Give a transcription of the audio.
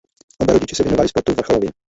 Oba rodiče se věnovali sportu vrcholově.